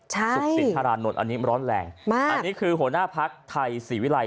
สุขสินธารานนท์อันนี้ร้อนแรงมากอันนี้คือหัวหน้าพักไทยศรีวิรัย